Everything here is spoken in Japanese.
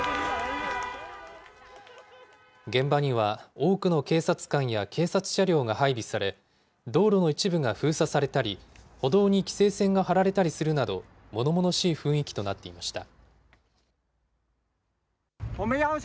現場には多くの警察官や警察車両が配備され、道路の一部が封鎖されたり、歩道に規制線が張られたりするなど、ものものしい雰囲気となっていました。